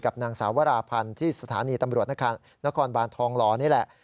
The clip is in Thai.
นางสาววราพันธ์ที่สถานีตำรวจนครบานทองหล่อนี่แหละ